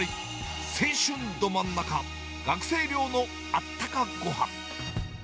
青春ど真ん中、学生寮のあったかご飯。